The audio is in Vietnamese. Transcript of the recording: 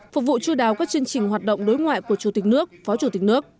phục vụ chú đáo các chương trình hoạt động đối ngoại của chủ tịch nước phó chủ tịch nước